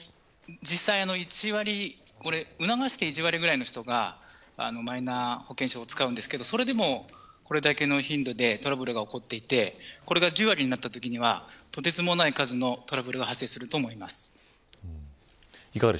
促して１割ぐらいの人がマイナ保険証を使うんですけどそれでもこれだけの頻度でトラブルが起こっていてこれが１０割になったときにはとてつもない数のトラブルが発生すると思います。